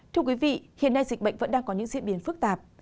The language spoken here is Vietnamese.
thưa quý vị hiện nay dịch bệnh vẫn đang có những diễn biến phức tạp